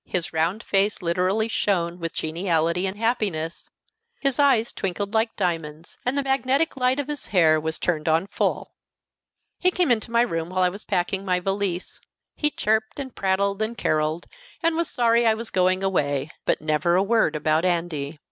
His round face literally shone with geniality and happiness. His eyes twinkled like diamonds, and the magnetic light of his hair was turned on full. He came into my room while I was packing my valise. He chirped, and prattled, and caroled, and was sorry I was going away but never a word about Andy.